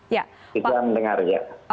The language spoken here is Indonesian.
ya bisa mendengar ya